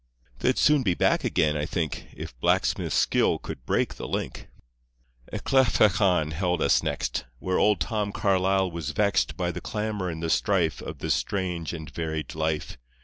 They'd soon be back again, I think, If blacksmith's skill could break the link. Ecclefechan held us next, Where old Tom Carlyle was vexed By the clamour and the strife Of this strange and varied life.